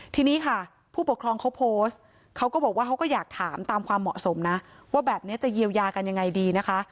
ทีนี้ค่ะผู้ปกครองเขาโพสต์เขาก็บอกว่าเขาก็อยากถามตามความเหมาะสมนะว่าแบบนี้จะเยียวยากันยังไงดีนะคะ